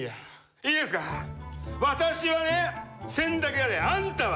いいですか私はね洗濯屋であんたは炭屋。